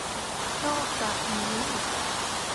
นอกจากนี้